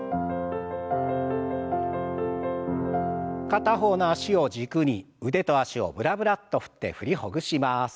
片方の脚を軸に腕と脚をブラブラッと振って振りほぐします。